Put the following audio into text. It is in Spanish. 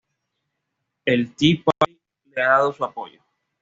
El Tea Party le ha dado su apoyo.